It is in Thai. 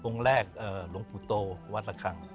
องค์แรกหลวงปู่โตวัฒนครั้ง